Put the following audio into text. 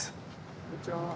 こんにちは。